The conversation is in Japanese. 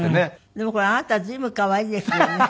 でもこれあなた随分可愛いですよね。